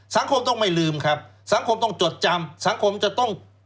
สังคมต้องไม่ลืมครับสังคมต้องจดจำสังคมจะต้อง